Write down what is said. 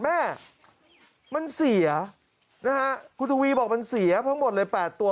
แม่มันเสียนะฮะคุณทวีบอกมันเสียทั้งหมดเลย๘ตัว